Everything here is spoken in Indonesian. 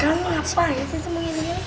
kamu ngapain sih semua ini